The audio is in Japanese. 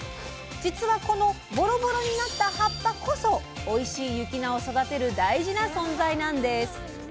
実はこのボロボロになった葉っぱこそおいしい雪菜を育てる大事な存在なんです。